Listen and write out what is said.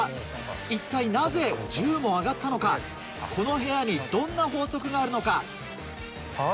一体なぜ１０も上がったのかこの部屋にどんな法則があるのか？